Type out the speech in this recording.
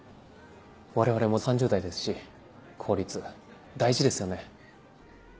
我々も３０代ですし効率大事ですよね。